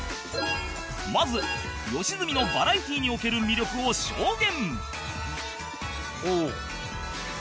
まず良純のバラエティにおける魅力を証言